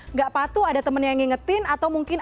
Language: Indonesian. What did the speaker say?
nggak patuh ada temen yang ngingetin atau mungkin